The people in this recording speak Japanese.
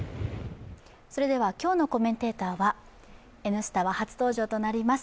今日のコメンテーターは「Ｎスタ」は初登場となります